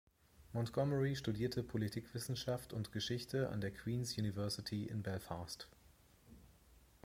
Montgomery studierte Politikwissenschaft und Geschichte an der Queen’s University in Belfast.